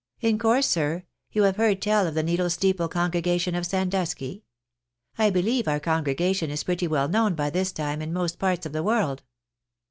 In course, sir, you have heard tell of the Needle Steeple congregation of Sandusky? I beUeve our congregation is pretty well known by this time in most parts of the world."